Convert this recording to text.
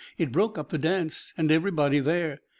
It broke up the dance and everybody there.